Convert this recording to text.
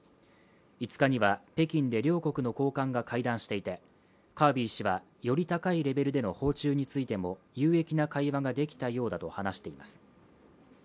５日には、北京で両国の高官が会談していてカービー氏はより高いレベルでの訪中の可能性についても有益な会話ができたようだと話しています。